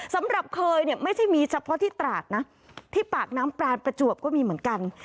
สำหรับเคยเนี่ยไม่ใช่มีเฉพาะที่ตราดนะที่ปากน้ำปลานประจวบก็มีเหมือนกัน